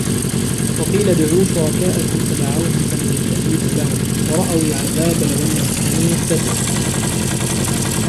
وَقِيلَ ادْعُوا شُرَكَاءَكُمْ فَدَعَوْهُمْ فَلَمْ يَسْتَجِيبُوا لَهُمْ وَرَأَوُا الْعَذَابَ لَوْ أَنَّهُمْ كَانُوا يَهْتَدُونَ